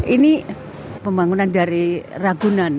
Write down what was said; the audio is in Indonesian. ini pembangunan dari ragunan